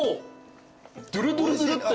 ・トゥルトゥルトゥルって。